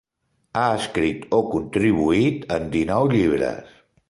Ha escrit o contribuït en dinou llibres.